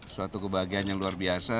suatu kebahagiaan yang luar biasa